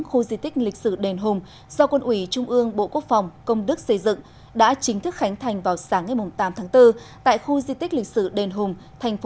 khu di tích lịch sử đền hùng do quân ủy trung ương bộ quốc phòng công đức xây dựng đã chính thức khánh thành vào sáng ngày tám tháng bốn tại khu di tích lịch sử đền hùng